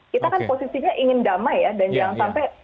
kita kan posisinya ingin damai ya dan jangan sampai